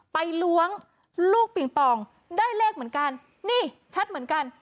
ล้วงลูกปิงปองได้เลขเหมือนกันนี่ชัดเหมือนกัน